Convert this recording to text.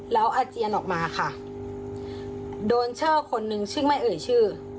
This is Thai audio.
แล้วอาเจียนออกมาค่ะโดนเชอร์คนนึงซึ่งไม่เอ่ยชื่อ